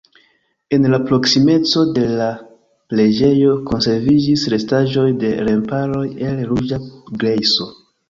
En la proksimeco de la preĝejo konserviĝis restaĵoj de remparoj el ruĝa grejso.